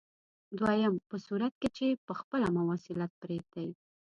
دویم په صورت کې چې په خپله مواصلت پرېږدئ.